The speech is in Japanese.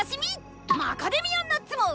魔カデミアンナッツも！